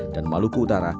dan maluku utara